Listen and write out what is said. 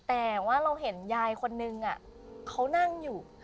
แต่ว่าเราเห็นยายคนนึงเขานั่งอยู่